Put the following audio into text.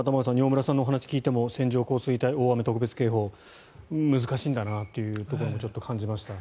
饒村さんのお話を聞いても線状降水帯、大雨特別警報難しいんだなというところがちょっと感じました。